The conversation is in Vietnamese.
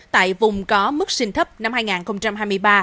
tại vùng có mức sinh thấp năm hai nghìn hai mươi ba